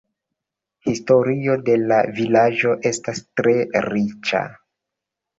Historio de la vilaĝo estas tre riĉa.